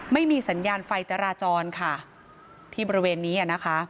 ไม่มีสัญญาณไฟจราจรค่ะที่บริเวณนี้อ่ะนะคะ